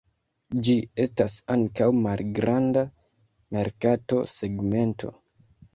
Ĝi estas ankaŭ malgranda merkato segmento.